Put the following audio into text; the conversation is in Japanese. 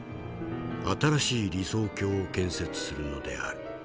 新しい理想郷を建設するのである。